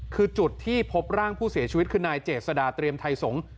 คือจุดที่พบร่างผู้เสียชีวิตคือนายเจษฎาเตรียมไทยสงฆ์